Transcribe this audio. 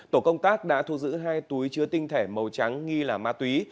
tổ công tác đã thu giữ hai túi chứa tinh thể màu trắng nghi là ma túy